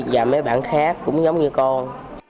và mấy bạn khác cũng giống như con